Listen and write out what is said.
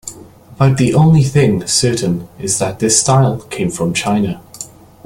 About the only thing certain is that this style came from China.